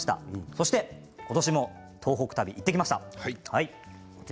そして今年も東北旅に行ってきました。